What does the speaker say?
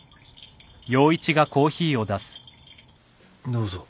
どうぞ。